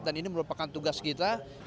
dan ini merupakan tugas kita